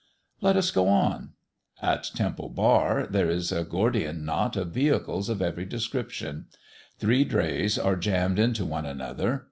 Let us go on. At Temple Bar there is a Gordian knot of vehicles of every description. Three drays are jammed into one another.